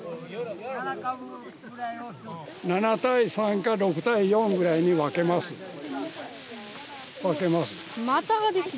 ７対３か６対４ぐらいに分けます。